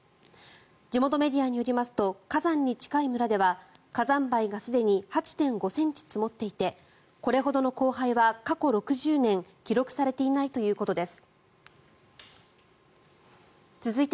地元メディアによりますと火山に近い村では火山灰がすでに ８．５ｃｍ 積もっていてこれほどの降灰は過去６０年、記録されていないということです。